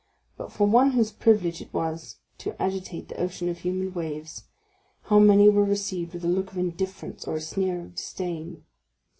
But for one whose privilege it was to agitate that ocean of human waves, how many were received with a look of indifference or a sneer of disdain!